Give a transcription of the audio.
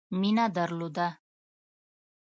مینه درلوده.